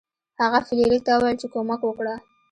هغه فلیریک ته وویل چې کومک وکړه.